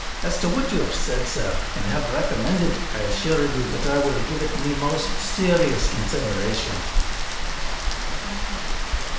As to what you have said, sir, and have recommended, I assure you that I will give it my most serious consideration."